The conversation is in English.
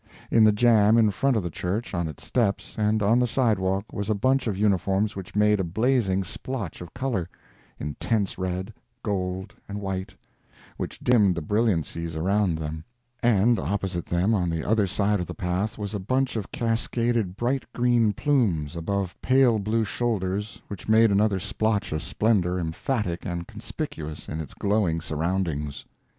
In the jam in front of the church, on its steps, and on the sidewalk was a bunch of uniforms which made a blazing splotch of color—intense red, gold, and white—which dimmed the brilliancies around them; and opposite them on the other side of the path was a bunch of cascaded bright green plumes above pale blue shoulders which made another splotch of splendor emphatic and conspicuous in its glowing surroundings.